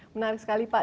menarik sekali pak